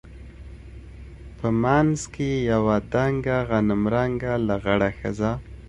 په منځ کښې يوه دنګه غنم رنګه لغړه ښځه.